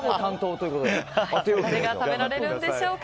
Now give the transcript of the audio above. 誰が食べられるんでしょうか。